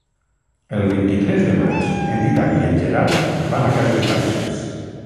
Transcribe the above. El vint-i-tres de maig en Dídac i en Gerard van a Cases Baixes.